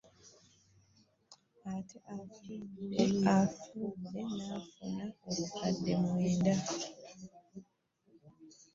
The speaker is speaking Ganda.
Ate Buddu n'efuna obukadde mwenda